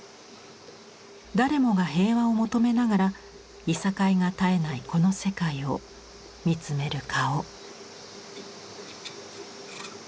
誰もが平和を求めながらいさかいが絶えないこの世界を見つめる顔。